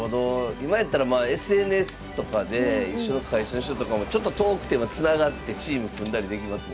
今やったらＳＮＳとかで一緒の会社の人とかもちょっと遠くてもつながってチーム組んだりできますもんね。